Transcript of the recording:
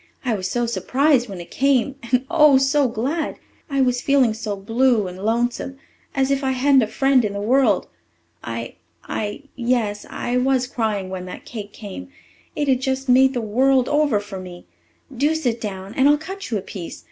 I was so surprised when it came and, oh, so glad! I was feeling so blue and lonesome as if I hadn't a friend in the world. I I yes, I was crying when that cake came. It has just made the world over for me. Do sit down and I'll cut you a piece.